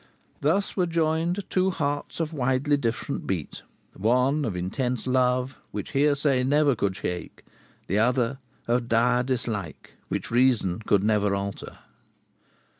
Thus were joined two hearts of widely different beat one of intense love, which hearsay never could shake; the other of dire dislike, which reason could never alter.